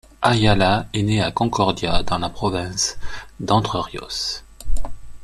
Ayala est né à Concordia dans la province d'Entre Ríos.